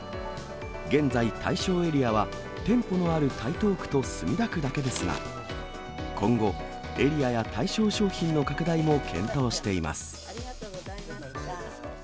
現在、対象エリアは店舗のある台東区と墨田区だけですが、今後、エリアや対象商品の拡大も検討しています。